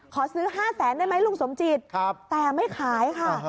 ขอซื้อ๕แสนได้ไหมลุงสมจิตแต่ไม่ขายค่ะ